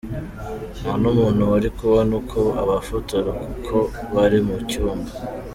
Nta n’umuntu wari kubona uko abafotora kuko bari mu cyumba.